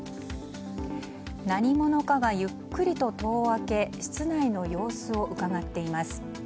何者かがゆっくりと戸を開け室内の様子をうかがっています。